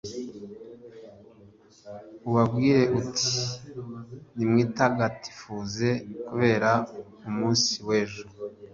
ubabwire uti ’nimwitagatifuze kubera umunsi w’ejo.